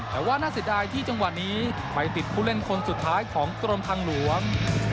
แต่ว่าน่าเสียดายที่จังหวะนี้ไปติดผู้เล่นคนสุดท้ายของกรมทางหลวง